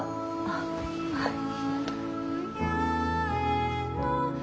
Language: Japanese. あっはい。